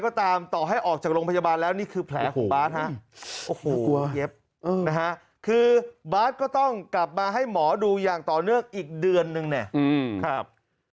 ก็ตามต่อให้ออกจากโรงพยาบาลแล้วนี่คือแผลของบาสฮะโอ้โหกลัวเย็บนะฮะคือบาทก็ต้องกลับมาให้หมอดูอย่างต่อเนื่องอีกเดือนนึงเนี่ยครับ